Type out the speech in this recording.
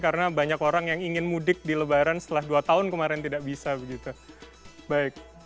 karena banyak orang yang ingin mudik di lebaran setelah dua tahun kemarin tidak bisa